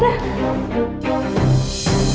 ya rabbal alamin